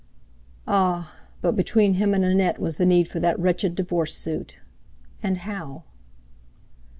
Ah! but between him and Annette was the need for that wretched divorce suit! And how?